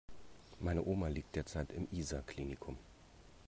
Meine Oma liegt derzeit im Isar Klinikum.